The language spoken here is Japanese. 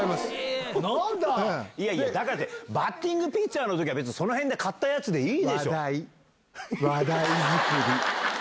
だからってバッティングピッチャーの時はその辺で買ったやつでいいでしょ。